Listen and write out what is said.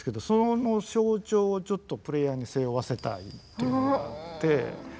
その象徴をちょっとプレイヤーに背負わせたいというのがあって。